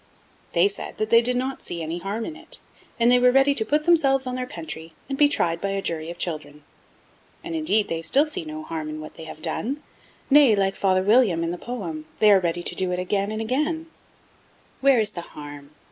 They said that they did not see any harm in it, and they were ready to 'put themselves on their country,' and be tried by a jury of children. And, indeed, they still see no harm in what they have done; nay, like Father William in the poem, they are ready 'to do it again and again.' (1) You may buy them from Mr. Nutt, in the Strand. Where is the harm?